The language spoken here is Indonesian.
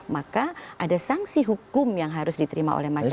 maka ada sanksi hukum yang harus diterima oleh masyarakat